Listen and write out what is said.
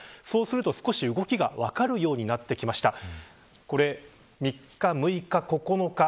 そうすると、少しずつ動きが分かるようになりました。